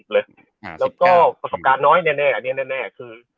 แล้วก็ประสบการณ์น้อยแน่อันนี้แน่คือ